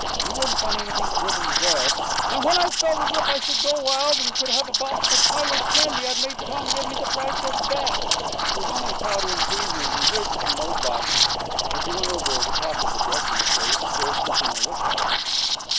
You won't find anything but ribbons there. And when I've felt as if I should go wild if I couldn't have a box of Huyler's candy, I've made Tom give me the price of that. There's only powder and tweezers and frizzes in those boxes," as he went over the top of the dressing case, still keeping a lookout on her.